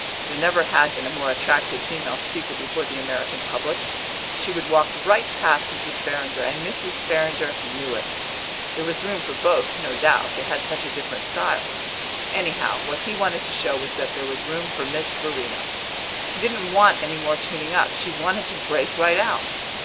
There never had been a more attractive female speaker before the American public; she would walk right past Mrs. Farrinder, and Mrs. Farrinder knew it. There was room for both, no doubt, they had such a different style; anyhow, what he wanted to show was that there was room for Miss Verena. She didn't want any more tuning up, she wanted to break right out.